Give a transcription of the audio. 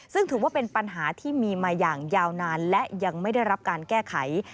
ซึ่งถือว่าเป็นปัญหาที่มีมาอย่างยาวนานและยังไม่ได้รับการแก้ไข